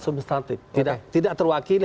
substantif tidak terwakili